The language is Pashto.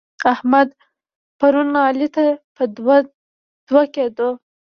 احمد؛ پرون علي ته په دوه دوه کېدو.